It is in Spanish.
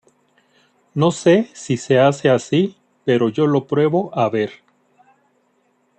No sé si se hace así pero yo lo pruebo a ver.